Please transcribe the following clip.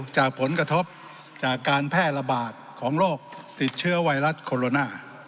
จากผลกระทบจากการแพร่ระบาดของโรคติดเชื้อไวรัสโคโรนา